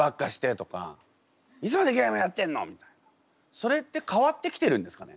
それって変わってきてるんですかね？